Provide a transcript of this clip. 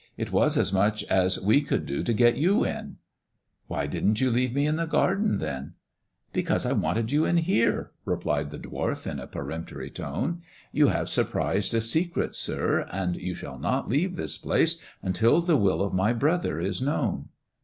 It was as much as we could do to get you in." " Why didn't you leave me in the garden then ]"" Because I wanted you in here," replied the dwarf in a peremptory tone; "you have surprised a secret, sir, and you shall not leave this place until the will of my brother is known."